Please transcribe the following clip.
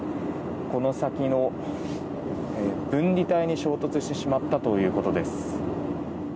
この先の分離帯に衝突してしまったということです。